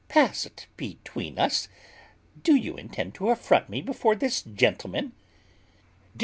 "Passed between us! Do you intend to affront me before this gentleman?"